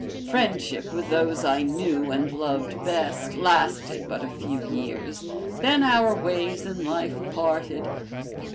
Friendship with those I knew and loved best lasted but a few years, then our ways in life parted.